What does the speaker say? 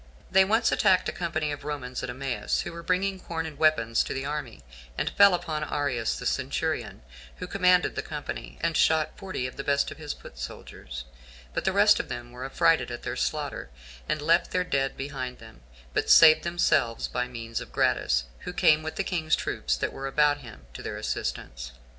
They once attacked a company of Romans at Emmaus, who were bringing corn and weapons to the army, and fell upon Arius, the centurion, who commanded the company, and shot forty of the best of his foot soldiers; but the rest of them were affrighted at their slaughter, and left their dead behind them, but saved themselves by the means of Gratus, who came with the king's troops that were about him to their assistance.